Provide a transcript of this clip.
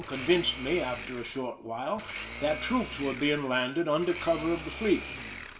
convinced me, after a short while, that troops were being landed under cover of the fleet.